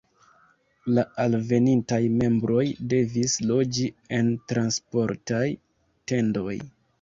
La alvenintaj membroj devis loĝi en transportaj tendoj.